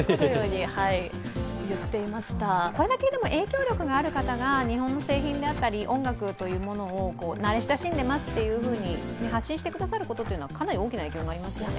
これだけ影響力がある方が日本の製品だったり音楽というものを慣れ親しんでますと発信してくださるとかなり大きな影響がありますよね。